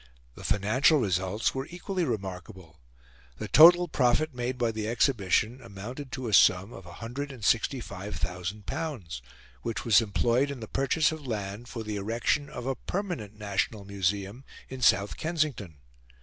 The financial results were equally remarkable. The total profit made by the Exhibition amounted to a sum of L165,000, which was employed in the purchase of land for the erection of a permanent National Museum in South Kensington.